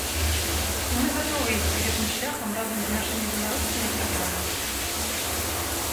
І мы гатовыя ісці гэтым шляхам разам з нашымі беларускімі сябрамі.